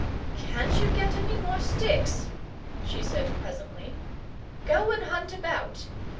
"Can't you get any more sticks?" she said presently. "Go and hunt about.